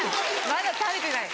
まだ食べてない。